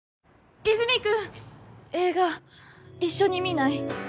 和泉君映画一緒に見ない？